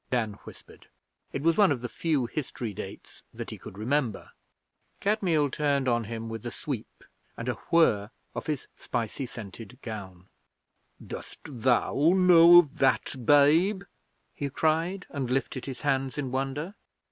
Dan whispered. It was one of the few history dates that he could remember. Kadmiel turned on him with a sweep and a whirr of his spicy scented gown. 'Dost thou know of that, babe?' he cried, and lifted his hands in wonder.